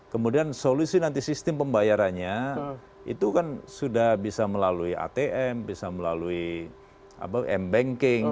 kemudian solusi nanti sistem pembayarannya itu kan sudah bisa melalui atm bisa melalui m banking